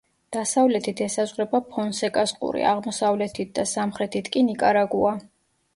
დასავლეთით ესაზღვრება ფონსეკას ყურე, აღმოსავლეთით და სამხრეთით კი ნიკარაგუა.